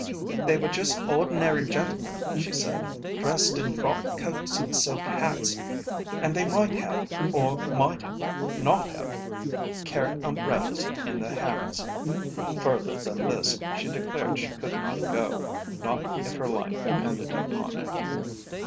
"They were just ordinary gentlemen," she said, "dressed in frock coats and silk hats, and they might have, or might not have, carried umbrellas in their hands." Further than this she declared she could not go, not if her life depended upon it.